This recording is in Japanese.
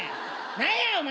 何やお前！